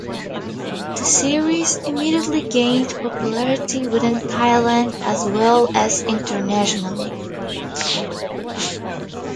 The series immediately gained popularity within Thailand as well as internationally.